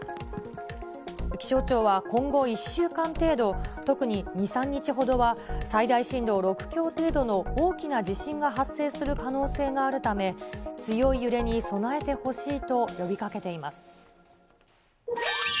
気象庁は今後１週間程度、特に２、３日ほどは、最大震度６強程度の大きな地震が発生する可能性があるため、強い揺れに備えてほしいと呼びかけています。